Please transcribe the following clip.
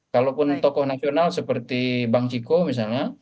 kalaupun tokoh nasional seperti bang ciko misalnya